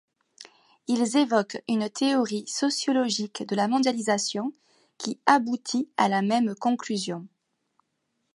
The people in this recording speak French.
Ils évoquent une théorie sociologique de la mondialisation qui aboutit à la même conclusion.